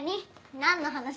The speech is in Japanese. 何の話？